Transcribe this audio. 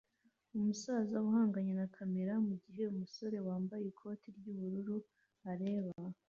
Umusaza ahanganye na kamera mugihe umusore wambaye ikoti ry'ubururu areba